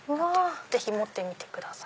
ぜひ持ってみてください。